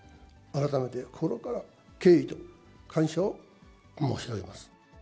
改めて心から敬意と感謝を申し上げます。